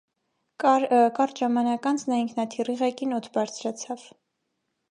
Կարճ ժամանակ անց նա ինքնաթիռի ղեկին օդ բարձրացավ։